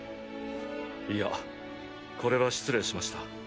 いやこれは失礼しました。